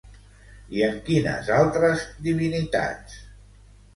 I amb quines altres divinitats?